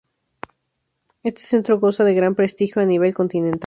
Este centro goza de gran prestigio a nivel continental.